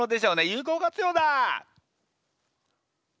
有効活用だ！